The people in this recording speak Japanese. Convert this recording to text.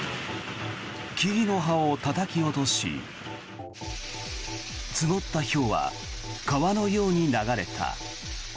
木々の葉をたたき落とし積もったひょうは川のように流れた。